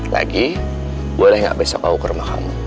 lagi boleh gak besok aku ke rumah kamu